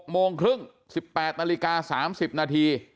โมงครึ่ง๑๘นาฬิกา๓๐นาที